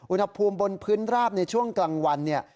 อุณหภูมิบนพื้นราบในช่วงกลางวันเนี่ย